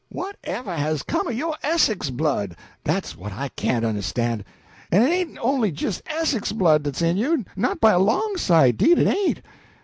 "Whatever has come o' yo' Essex blood? Dat's what I can't understan'. En it ain't on'y jist Essex blood dat's in you, not by a long sight 'deed it ain't!